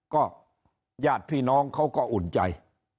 ก็ญาติพี่น้องเขาก็อุ่นใจ